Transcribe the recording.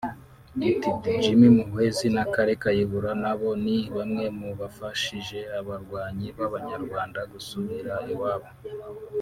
(Rtd) Jim Muhwezi na Kale Kayihura nabo ni bamwe mu bafashije abarwanyi b’Abanyarwanda gusubira iwabo